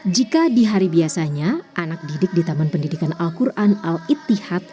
jika di hari biasanya anak didik di taman pendidikan al quran al itihad